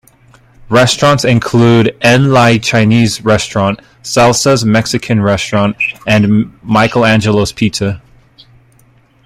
Restaurants include En Lai Chinese restaurant, Salsa's Mexican restaurant, and Michael Angelo's Pizza.